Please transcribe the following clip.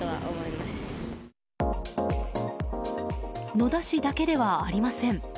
野田市だけではありません。